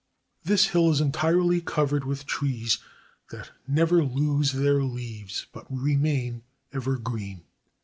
This hill is entirely covered with trees that never lose their leaves, but remain ever green.